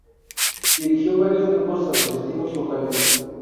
Dirigió varios grupos asociativos locales.